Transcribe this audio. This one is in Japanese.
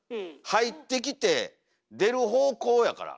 入ってきて出る方向やから。